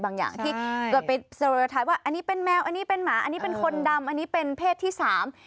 อย่างที่เกิดเป็นโซโลท้ายว่าอันนี้เป็นแมวอันนี้เป็นหมาอันนี้เป็นคนดำอันนี้เป็นเพศที่สาม